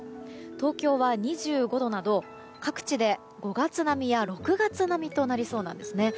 東京は２５度など各地で５月並みや６月並みとなりそうなんですね。